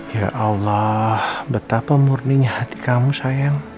ya allah betapa murninya hati kamu sayang